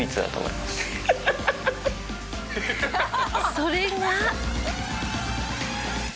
それが。